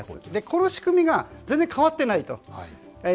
この仕組みが全然変わっていないと。